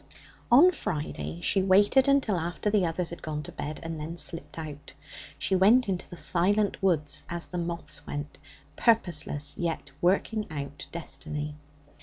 On Friday she waited until after the others had gone to bed, and then slipped out. She went into the silent woods as the moths went, purposeless, yet working out destiny.